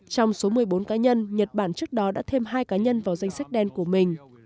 trong số một mươi bốn cá nhân nhật bản trước đó đã thêm hai cá nhân vào danh sách đen của mình